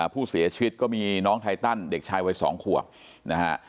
ผู้เสียชีวิตก็มีน้องไทตันเด็กชายวัย๒ขวบนะฮะ